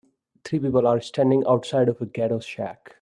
Three people are standing outside of a ghetto shack.